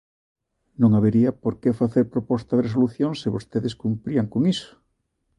Non habería por que facer proposta de resolución se vostedes cumprían con iso.